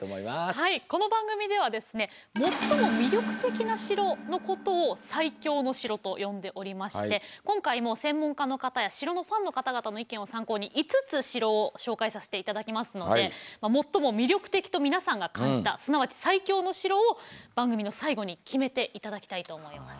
はいこの番組ではですね最も魅力的な城のことを「最強の城」と呼んでおりまして今回も専門家の方や城のファンの方々の意見を参考に５つ城を紹介させて頂きますので最も魅力的と皆さんが感じたすなわち最強の城を番組の最後に決めて頂きたいと思います。